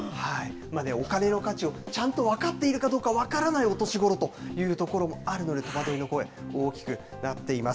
お金の価値をちゃんと分かっているかどうか分からないお年頃というところもあるので、戸惑いの声、大きくなっています。